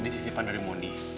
ini titipan dari mondi